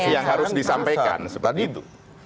yang harus disampaikan seperti itu